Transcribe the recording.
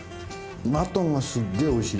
マトンがすっげぇおいしい。